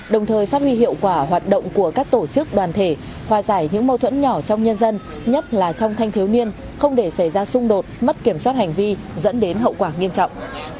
đồng thời phát huy hiệu quả hoạt động của các tổ chức đoàn thể hòa giải những mâu thuẫn nhỏ trong nhân dân nhất là trong thanh thiếu niên không để xảy ra xung đột mất kiểm soát hành vi dẫn đến hậu quả nghiêm trọng